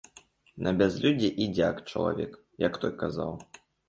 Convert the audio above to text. На бязлюддзі і дзяк чалавек, як той казаў.